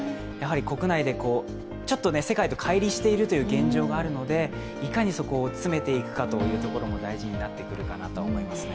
国内で、世界とかい離しているという現状があるのでいかにそこを詰めていくかというところも大事になってくるかなと思いますね。